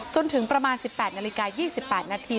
จนถึงประมาณ๑๘นาฬิกา๒๘นาที